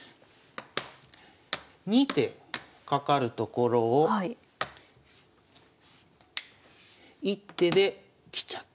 ２手かかるところを１手で来ちゃった。